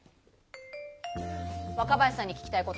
若林さんに聞きたいこと。